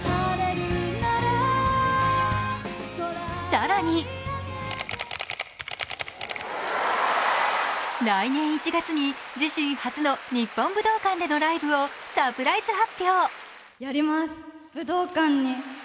更に来年１月に自身初の日本武道館でのサプライズライブを発表。